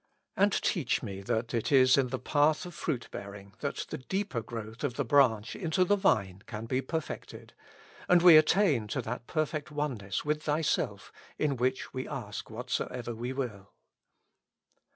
And teach me that it is in the path of fruit bearing that the deeper growth of the branch into i88 With Christ in the School of Prayer. the Vine can be perfected, and we attain to that per fect oneness with Thyself in which we ask whatsoever we will.